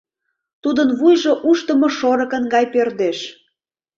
Тудын вуйжо ушдымо шорыкын гай пӧрдеш.